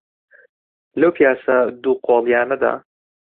لەو پیاسە دووقۆڵییانەدا،